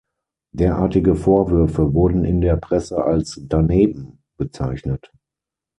Derartige Vorwürfe wurden in der Presse als „daneben“ bezeichnet.